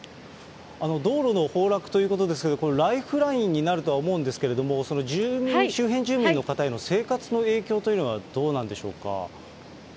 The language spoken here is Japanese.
道路の崩落ということですけれども、これ、ライフラインになるとは思うんですけれども、周辺住民の方への生活の影響というのはどうなんでしょうか。